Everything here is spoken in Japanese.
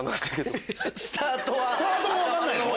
スタートも分かんないの？